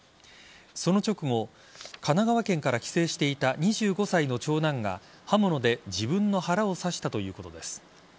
その直後神奈川県から帰省していた２５歳の長男が刃物で自分の腹を刺したということです。